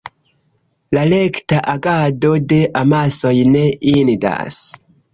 La rekta agado de amasoj ne indas.